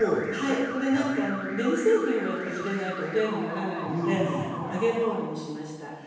これ何か練り製品をやっぱり入れないとおでんにならないので揚げボールにしました。